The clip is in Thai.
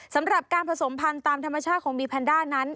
สำหรับการผสมพันธุ์ตามธรรมชาติของบีแพนด้านั้น